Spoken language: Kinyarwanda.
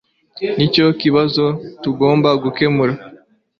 Nicyo kibazo tugomba gukemura